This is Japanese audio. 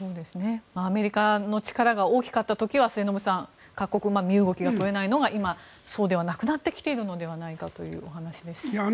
アメリカの力が大きかった時は末延さん各国身動きが取れないのが今そうではなくなってきているのではないかというお話です。